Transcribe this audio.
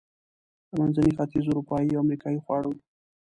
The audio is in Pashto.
د منځني ختیځ، اروپایي او امریکایي خواړه و.